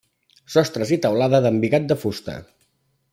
Sostres i teulada d'embigat de fusta.